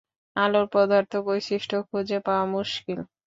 আলোর পদার্থ-বৈশিষ্ট্য খুঁজে পাওয়া মুশকিল।